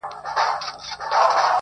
• د غليم په بنګلو کي -